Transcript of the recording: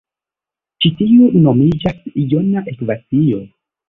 Ĉi tiu nomiĝas jona ekvacio.